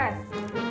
masih ada kuiknya